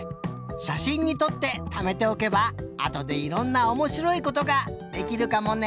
しゃしんにとってためておけばあとでいろんなおもしろいことができるかもね。